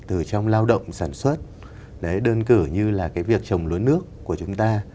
từ trong lao động sản xuất đơn cử như là cái việc trồng lúa nước của chúng ta